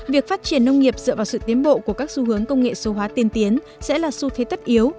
việc phát triển nông nghiệp dựa vào sự tiến bộ của các xu hướng công nghệ số hóa tiên tiến sẽ là xu thế tất yếu